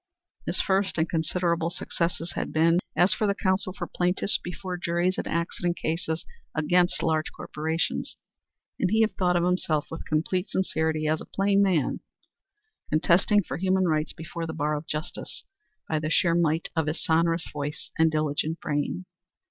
His first and considerable successes had been as the counsel for plaintiffs before juries in accident cases against large corporations, and he had thought of himself with complete sincerity as a plain man, contesting for human rights before the bar of justice, by the sheer might of his sonorous voice and diligent brain.